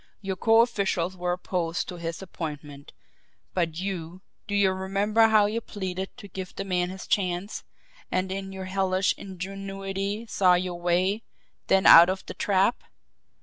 Your co officials were opposed to his appointment, but you, do you remember how you pleaded to give the man his chance and in your hellish ingenuity saw your way then out of the trap!